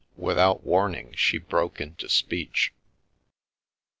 Without warning, she broke into speech.